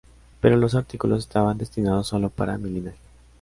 Pero los artículos estaban destinados solo para mi linaje.